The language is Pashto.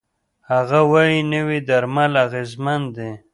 هغه وايي، نوي درمل اغېزمن دي.